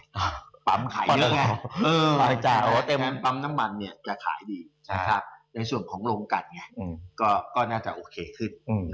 อ่าปั๊มขายเยอะไงแน่นอนปั๊มน้ำมันจะขายดีก็น่าจะโอเคขึ้น